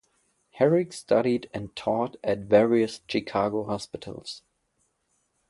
Herrick studied and taught at various Chicago hospitals.